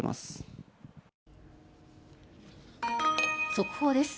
速報です。